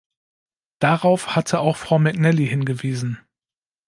Darauf hatte auch Frau McNally hingewiesen.